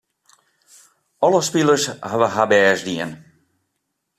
Alle spilers hawwe har bêst dien.